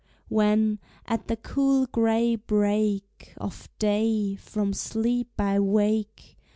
When, at the cool gray break Of day, from sleep I wake.